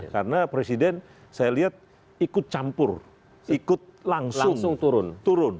karena presiden saya lihat ikut campur ikut langsung turun